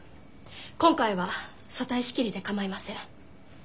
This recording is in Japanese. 今回は組対仕切りで構いません。